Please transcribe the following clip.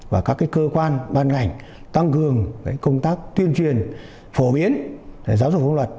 và các cơ quan ban ngành tăng cường công tác tuyên truyền phổ biến giáo dục pháp luật